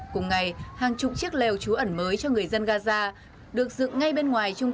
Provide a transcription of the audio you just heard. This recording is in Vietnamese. cùng ngày hàng chục chiếc lèo trú ẩn mới cho người dân gaza được dựng ngay bên ngoài trung